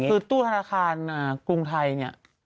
คือตู้ธนาคารกรุงไทยเนี่ย